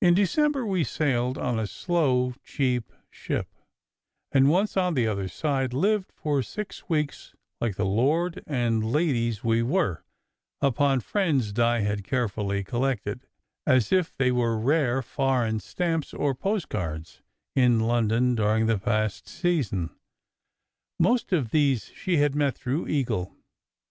In December we sailed on a slow, cheap ship; and once on the other side, lived for six weeks, like the lord and ladies we were, upon friends Di had carefully collected, as if they were rare foreign stamps or postcards, in London during the past season. Most of these she had met through Eagle.